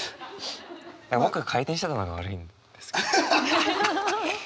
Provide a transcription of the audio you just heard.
僕回転してたのが悪いんです。